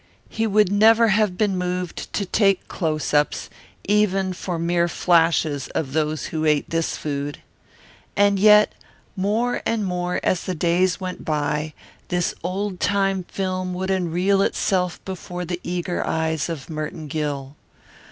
He would never have been moved to take close ups, even for mere flashes, of those who ate this food. And yet, more and more as the days went by, this old time film would unreel itself before the eager eyes of Merton Gill.